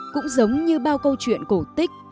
cũng giống như bao câu chuyện cổ tích